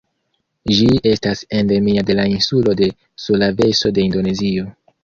Ĝi estas endemia de la insulo de Sulaveso de Indonezio.